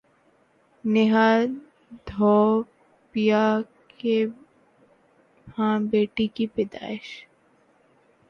نیہا دھوپیا کے ہاں بیٹی کی پیدائش